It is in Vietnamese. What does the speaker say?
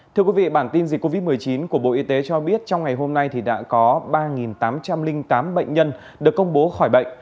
thưa quý vị bản tin dịch covid một mươi chín của bộ y tế cho biết trong ngày hôm nay thì đã có ba tám trăm linh tám bệnh nhân được công bố khỏi bệnh